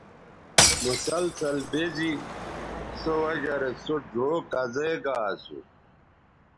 مسلسل بزے سو وجہ رے سو ڙھؤ کزے گا اسو